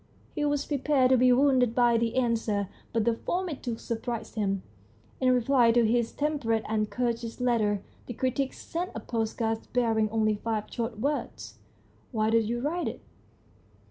He was prepared to be wounded by the answer, but the form it took surprised him. In reply to his tem perate and courteous letter the critic sent a postcard bearing only five short words "Why did you write it?"